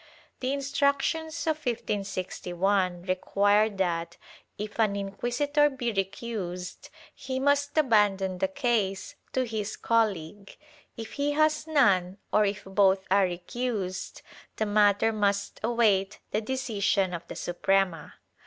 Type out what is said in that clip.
The Instructions of 1561 require that, if an inquisitor be recused, he must abandon the case to his colleague; if he has none, or if both are recused, the matter must await the decision of the Suprema.